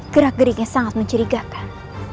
gerak geriknya sangat mencerigakan